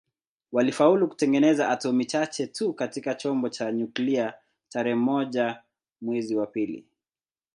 Walifaulu kutengeneza atomi chache tu katika chombo cha nyuklia tarehe moja mwezi wa pili